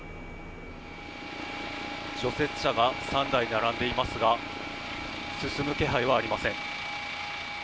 除雪車が３台並んでいますが進む気配はありません。